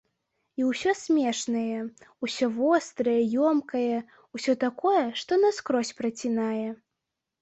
І ўсё смешнае, усё вострае, ёмкае, усё такое, што наскрозь працінае.